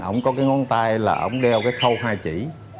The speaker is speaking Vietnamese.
ổng có cái ngón tay là ổng đeo cái khâu hai chỉ